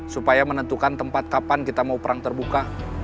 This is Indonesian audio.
supaya menentukan tempat kapan kita mau perang terbuka